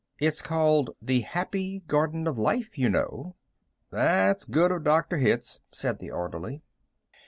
"It's called 'The Happy Garden of Life,' you know." "That's good of Dr. Hitz," said the orderly.